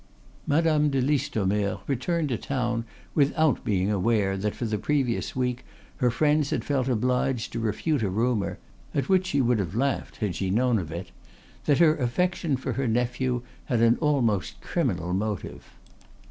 Madame de Listomere returned to town without being aware that for the previous week her friends had felt obliged to refute a rumour (at which she would have laughed had she known if it) that her affection for her nephew had an almost criminal motive.